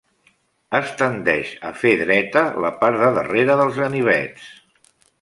Es tendeix a fer dreta la part de darrere dels ganivets.